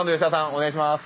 お願いします。